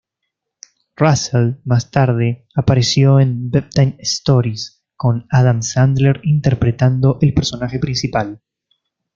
Russell más tarde apareció en "Bedtime Stories", con Adam Sandler interpretando el personaje principal.